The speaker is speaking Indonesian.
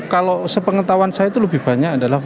kalau sepengetahuan saya itu lebih banyak adalah